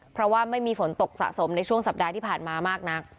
เพราะว่าไม่มีฝนตกสะสมในช่วงสัปดาห์ที่ผ่านมามากนัก